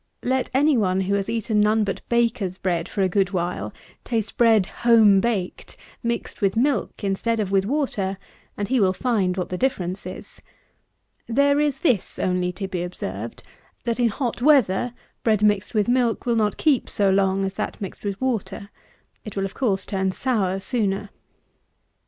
Let any one who has eaten none but baker's bread for a good while, taste bread home baked, mixed with milk instead of with water; and he will find what the difference is. There is this only to be observed, that in hot weather, bread mixed with milk will not keep so long as that mixed with water. It will of course turn sour sooner. 112.